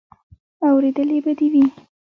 اورېدلې به دې وي.